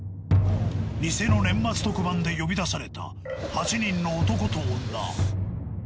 偽の年末特番で呼び出された８人の男と女。